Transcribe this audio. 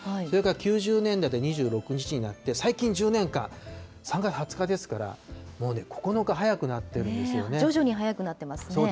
それから９０年代で２６日になって、最近１０年間、３月２０日ですから、もう９日早くなっている徐々に早くなっていますね。